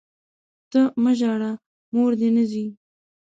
ته مه ژاړه ، موردي نه ځي!